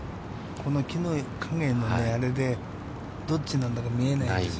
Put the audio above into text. この木の影のあれでどっちなんだか見えないんですよ。